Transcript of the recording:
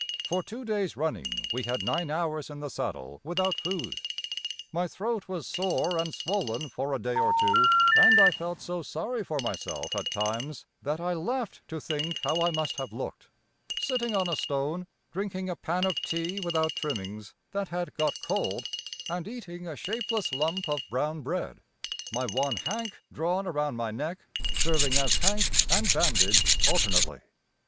For two days running we had nine hours in the saddle without food. My throat was sore and swollen for a day or two, and I felt so sorry for myself at times that I laughed to think how I must have looked: sitting on a stone, drinking a pan of tea without trimmings, that had got cold, and eating a shapeless lump of brown bread; my one "hank" drawn around my neck, serving as hank and bandage alternately.